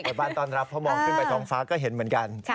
ไปบ้านต้อนรับเพราะมองขึ้นไปท้องฟ้าก็เห็นเหมือนกัน